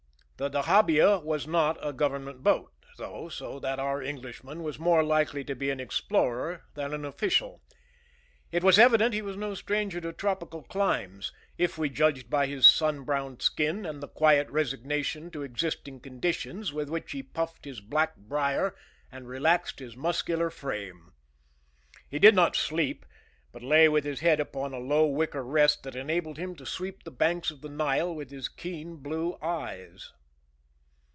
The dahabeah was not a government boat, though, so that our Englishman was more likely to be an explorer than an official. It was evident he was no stranger to tropical climes, if we judged by his sun browned skin and the quiet resignation to existing conditions with which he puffed his black briar and relaxed his muscular frame. He did not sleep, but lay with his head upon a low wicker rest that enabled him to sweep the banks of the Nile with his keen blue eyes.